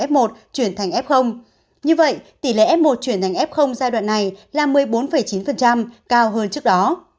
f một chuyển thành f như vậy tỉ lệ f một chuyển thành f giai đoạn này là một mươi bốn chín cao hơn trước đó